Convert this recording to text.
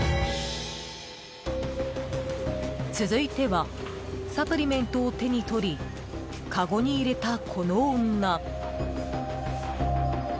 続いてはサプリメントを手に取りかごに入れた、この女。